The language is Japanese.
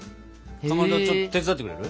かまどちょっと手伝ってくれる？